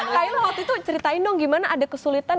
kailla waktu itu ceritain dong gimana ada kesulitan